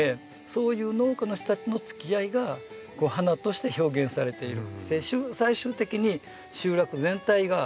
そういう農家の人たちのつきあいが花として表現されている。